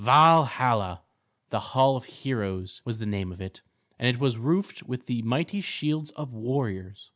Valhalla, the Hall of Heroes, was the name of it, and it was roofed with the mighty shields of warriors.